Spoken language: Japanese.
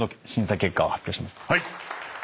はい。